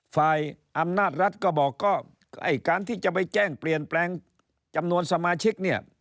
ฝ่ายอำนาจรัฐก็บอกก็ไอ้การที่จะไปแจ้งเปลี่ยนแปลงจำนวนสมาชิกเนี่ย